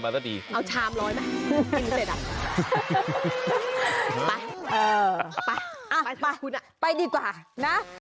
น้ำตาลสดอ่อน